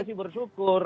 saya sih bersyukur